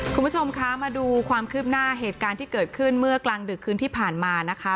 คุณผู้ชมคะมาดูความคืบหน้าเหตุการณ์ที่เกิดขึ้นเมื่อกลางดึกคืนที่ผ่านมานะคะ